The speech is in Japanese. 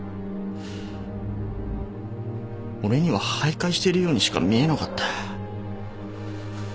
俺には徘徊してるようにしか見えなかった。